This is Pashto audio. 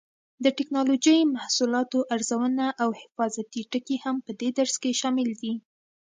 د ټېکنالوجۍ محصولاتو ارزونه او حفاظتي ټکي هم په دې درس کې شامل دي.